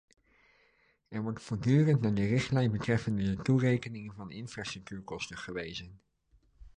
Er wordt voortdurend naar de richtlijn betreffende de toerekening van infrastructuurkosten gewezen.